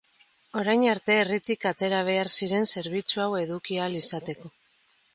Orain arte, herritik atera behar ziren zerbitzu hau eduki ahal izateko.